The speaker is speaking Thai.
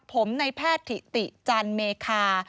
ผมในแพทย์ถิติจันเมคา